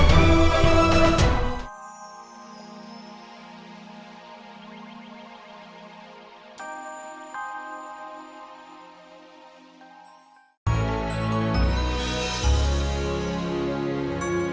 jangan cepet saling hebtalik